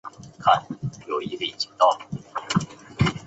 柿拟白轮盾介壳虫为盾介壳虫科拟白轮盾介壳虫属下的一个种。